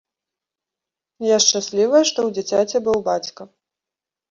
Я шчаслівая, што ў дзіцяці быў бацька.